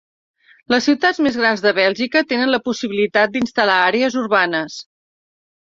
Les ciutats més grans de Bèlgica tenen la possibilitat d'instal·lar àrees urbanes.